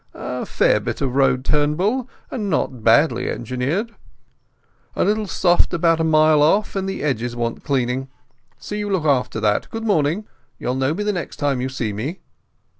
A fair bit of road, Turnbull, and not badly engineered. A little soft about a mile off, and the edges want cleaning. See you look after that. Good morning. You'll know me the next time you see me."